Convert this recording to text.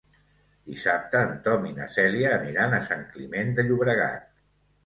Dissabte en Tom i na Cèlia aniran a Sant Climent de Llobregat.